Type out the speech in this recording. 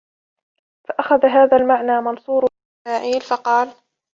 فَأَخَذَ هَذَا الْمَعْنَى مَنْصُورُ بْنُ إسْمَاعِيلَ فَقَالَ